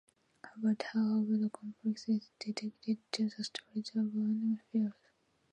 About half of the complex is dedicated to the storage of aviation fuel.